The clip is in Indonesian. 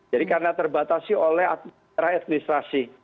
jadi karena terbatasi oleh daerah administrasi